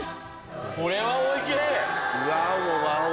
これはおいしい！